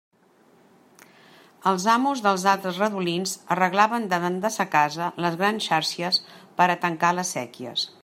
Els amos dels altres redolins arreglaven davant de sa casa les grans xàrcies per a tancar les séquies.